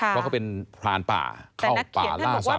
เพราะเป็นธรานป่าเข้าป่าร่าสัน